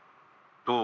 どう？